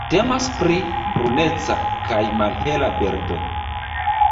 Temas pri bruneca kaj malhela birdo.